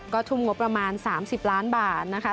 ก็ทุ่มงบประมาณ๓๐ล้านบาทนะคะ